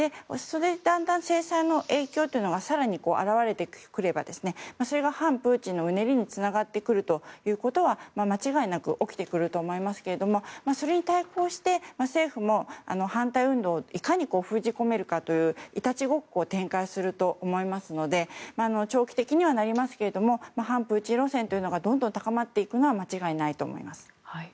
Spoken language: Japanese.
それでだんだん制裁の影響が更に表れてくればそれが反プーチンのうねりにつながってくるということは間違いなく起きてくると思いますけどもそれに対抗して政府も反対運動をいかに封じ込めるかというイタチごっこを展開すると思いますので長期的にはなりますけども反プーチン路線というのがどんどん高まっていくのは間違いないと思います。